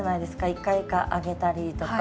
一回一回揚げたりとか。